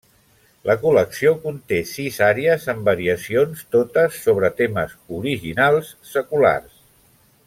La col·lecció conté sis àries amb variacions, totes sobre temes originals, seculars.